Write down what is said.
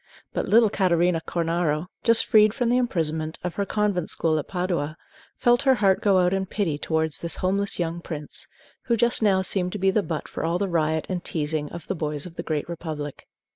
But little Catarina Cornaro, just freed from the imprisonment of her convent school at Padua, felt her heart go out in pity towards this homeless young prince, who just now seemed to be the butt for all the riot and teasing of the boys of the Great Republic.